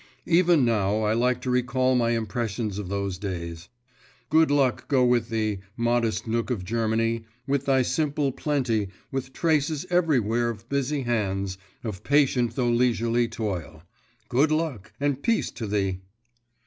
… Even now I like to recall my impressions of those days. Good luck go with thee, modest nook of Germany, with thy simple plenty, with traces everywhere of busy hands, of patient though leisurely toil.… Good luck and peace to thee!